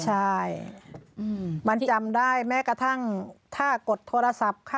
ใช่มันจำได้แม้กระทั่งถ้ากดโทรศัพท์ค่ะ